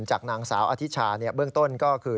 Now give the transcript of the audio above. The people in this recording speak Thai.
จากนางสาวอธิชาเบื้องต้นก็คือ